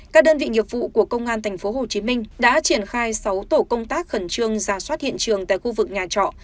các đơn vị nghiệp vụ của công an tp hcm đã triển khai sáu tổ công tác khẩn trương ra soát hiện trường tại khu vực nhà trọ